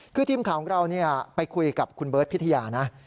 คือทีมข่าวของเราไปคุยกับคุณเบิร์ตพิทยานะ